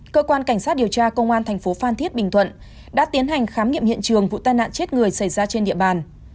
cơ quan cảnh sát điều tra công an thành phố phan thiết bình thuận đã tiến hành khám nghiệm hiện trường vụ tai nạn chết người xảy ra trên địa bàn